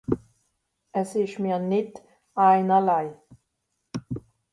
Es ìsch mìr nìtt einerlei.